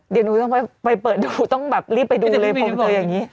เดี๋ยวหนูต้องไปเปิดดูต้องแบบรีบไปดูเลยพรมตัวอย่างนี้